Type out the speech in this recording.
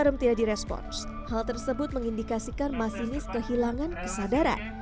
harem tidak direspon hal tersebut mengindikasikan masinis kehilangan kesadaran